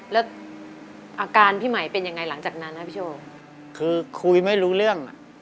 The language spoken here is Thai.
แล้วอาการพี่ใหม่เป็นยังไงหลังจากนั้นนะพี่โชว์คือคุยไม่รู้เรื่องอ่ะ